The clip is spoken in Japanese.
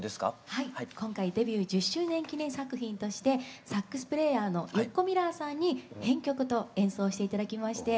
はい今回デビュー１０周年記念作品としてサックスプレーヤーのユッコ・ミラーさんに編曲と演奏をして頂きまして。